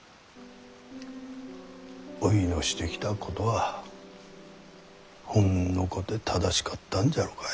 おいのしてきたことはほんのこて正しかったんじゃろかい。